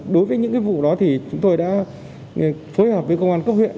đối với những vụ đó thì chúng tôi đã phối hợp với công an cấp huyện